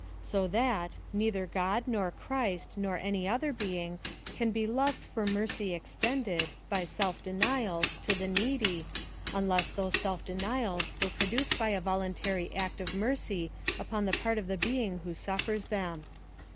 So that, neither God, nor Christ, nut any other being, can be loved for mercy extended, by self denials, to the needy, unless those self deni als were produced by a voluntary act of mercy upon the part of the being wlio suffers them.